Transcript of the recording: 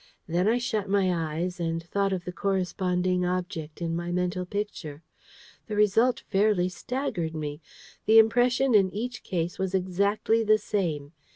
Then I shut my eyes, and thought of the corresponding object in my mental Picture. The result fairly staggered me. The impression in each case was exactly the same.